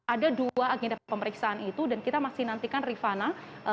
ada dua agenda pemeriksaan itu dan kita masih nantikan rifana